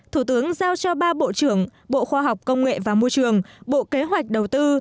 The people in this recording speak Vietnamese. thủ tướng giao cho ba bộ trưởng bộ khoa học công nghệ và môi trường bộ kế hoạch đầu tư